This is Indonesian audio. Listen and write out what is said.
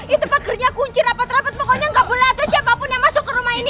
itu pekerja kunci rapat rapat pokoknya nggak boleh ada siapapun yang masuk ke rumah ini